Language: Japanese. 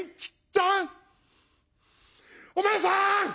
お前さん！